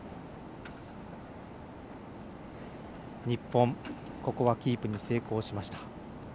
日本ここはキープに成功しました。